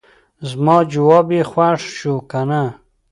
زما جواب یې خوښ شو کنه.